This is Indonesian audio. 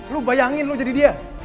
lu bayangin lu jadi dia